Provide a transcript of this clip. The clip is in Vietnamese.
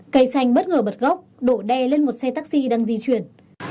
cây xanh bất ngờ bật gốc đổ đè lên một xe taxi đang di chuyển